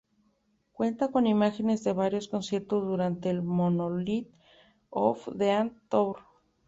Cuenta con imágenes de varios conciertos durante el "Monolith of Death Tour".